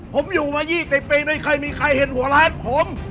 ผมอยู่มา๒๐ปีไม่เคยมีใครเห็นหัวล้านผม